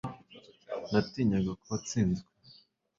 Natinyaga ko watsinzwe